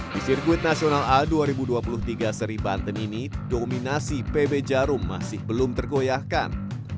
di sirkuit nasional a dua ribu dua puluh tiga seri banten ini dominasi pb jarum masih belum tergoyahkan